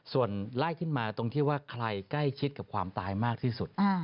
ส่วนไล่ขึ้นมาตรงที่ว่าใครใกล้ชิดกับความตายมากที่สุด